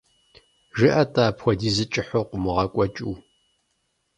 ЖыӀэ-тӀэ, апхуэдизу кӀыхьу къыумыгъэкӀуэкӀыу.